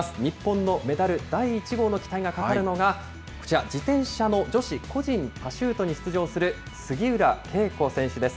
日本のメダル第１号の期待がかかるのが、こちら、自転車の女子個人パシュートに出場する杉浦佳子選手です。